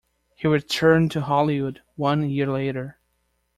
He returned to Hollywood one year later.